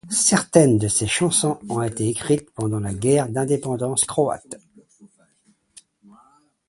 Certaines de ses chansons ont été écrites pendant la guerre d'indépendance croate.